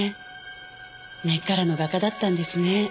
根っからの画家だったんですね。